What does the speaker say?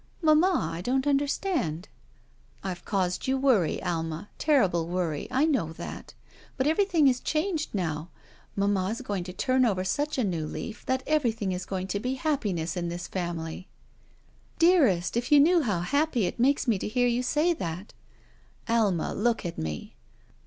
Mamma, I don't understand." I've caused you worry, Alma — ^terrible worry. I know that. But everything is changed now. 22 41' SHE WALKS IN BEAUTY Mamma's going to turn over such a new leaf that everything is going to be happiness in this family." "Dearest, if you knew how happy it makes me to hear you say that." "Alma, look at me."